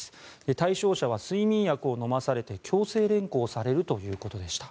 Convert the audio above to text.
対象者は睡眠薬を飲まされて強制連行されるということでした。